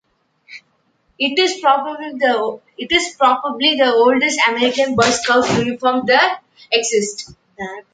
It is probably the oldest American Boy Scout uniform that exists.